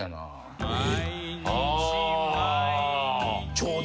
・ちょうど？